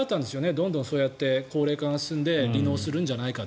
どんどんそうやって高齢化が進んで離農するんじゃないか。